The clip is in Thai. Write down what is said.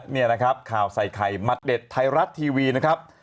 นี่นะครับข่าวใส่ไข่มัดเด็ดไทยรัฐทีวีนะครับ